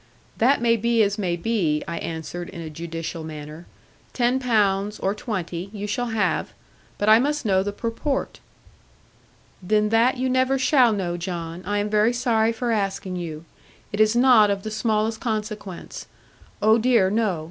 'That may be as may be,' I answered in a judicial manner; 'ten pounds, or twenty, you shall have. But I must know the purport.' 'Then that you never shall know, John. I am very sorry for asking you. It is not of the smallest consequence. Oh, dear, no.'